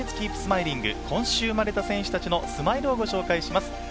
今週生まれた選手たちのスマイルをご紹介します。